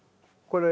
これ。